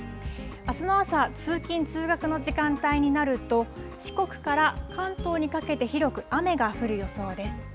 あすの朝、通勤・通学の時間帯になると、四国から関東にかけて、広く雨が降る予想です。